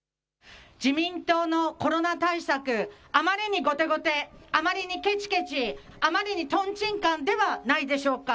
自民党のコロナ対策、あまりに後手後手、あまりにけちけち、あまりにとんちんかんではないでしょうか。